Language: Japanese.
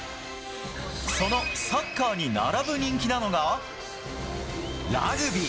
そのサッカーに並ぶ人気なのがラグビー。